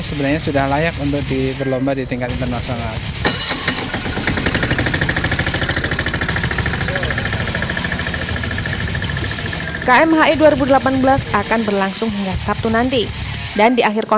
sebenarnya sudah layak untuk diberlomba di tingkat internasional